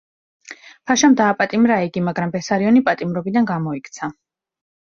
ფაშამ დააპატიმრა იგი, მაგრამ ბესარიონი პატიმრობიდან გამოიქცა.